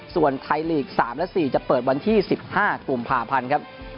ส่วนไทยลีก๓และ๔จะเปิดวันที่๑๕กุมภาพันธ์ครับ